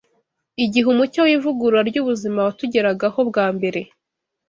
Igihe umucyo w’ivugurura ry’ubuzima watugeragaho bwa mbere